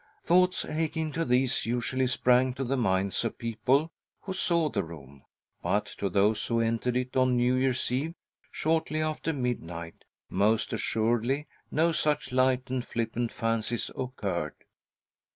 Thoughts akin to these usually sprang to the minds of people .who saw the room, but to those who entered it on New Year's Eve, shortly af^er ■*.>i —< i A CALL FROM THE PAST 67 midnight, most • assuredly no such light and flippant . fancies occurred.